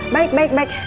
baik baik baik